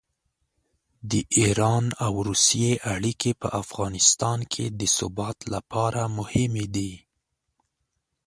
د ایران او روسیې اړیکې په افغانستان کې د ثبات لپاره مهمې دي.